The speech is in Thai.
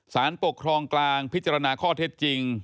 สารปกครองกลางพิจารณาข้อเท็จจริง